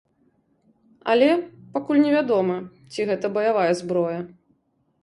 Але пакуль невядома, ці гэта баявая зброя.